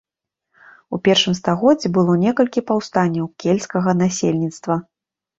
У першым стагоддзі было некалькі паўстанняў кельцкага насельніцтва.